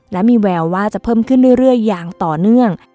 และมีแววว่าจะเพิ่มขึ้นเรื่อยอย่างต่อเนื่อง